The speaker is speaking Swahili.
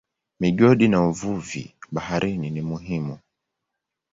Migodi na uvuvi baharini ni muhimu.